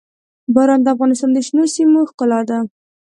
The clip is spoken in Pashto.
باران د افغانستان د شنو سیمو ښکلا ده.